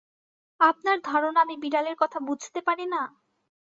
আপনার ধারণা আমি বিড়ালের কথা বুঝতে পারি না?